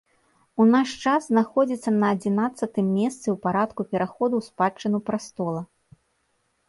У наш час знаходзіцца на адзінаццатым месцы ў парадку пераходу ў спадчыну прастола.